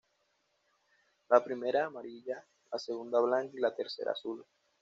La primera amarilla, la segunda blanca y la tercera azul.